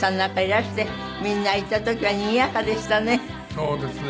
そうですよね。